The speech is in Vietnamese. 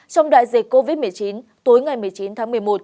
trong đại dịch covid một mươi chín tối ngày một mươi chín tháng một mươi một